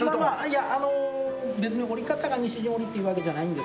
いやあの別に織り方が西陣織っていうわけじゃないんですけども。